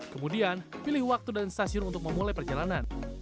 kemudian pilih waktu dan stasiun untuk memulai perjalanan